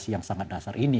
yang sangat dasar ini